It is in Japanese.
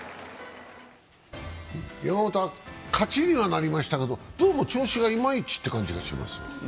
山本は勝ちにはなりましたけど、どうも調子がいまいちという感じがします。